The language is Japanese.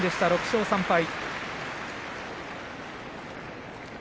６勝３敗。